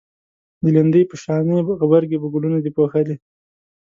د لیندۍ په شانی غبرگی په گلونو دی پوښلی